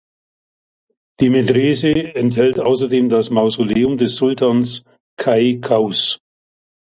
Die Medrese enthält außerdem das Mausoleum des Sultans Kai Kaus.